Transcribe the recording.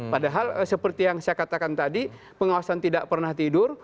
padahal seperti yang saya katakan tadi pengawasan tidak pernah tidur